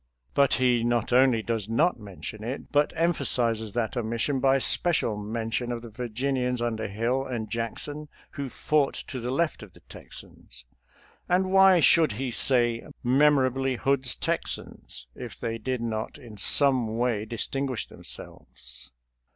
But he not only does not mention it, but emphasizes that omission by special mention of the Virginians under Hill and Jackson who fought to the left of the ^Texans. And why should he say " memorably Hood's Texans," if they did not in some way distinguish themselves?